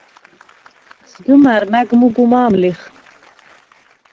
სგჷმა̈რ მა̈გ მუგუ მა̄მ ლიხ.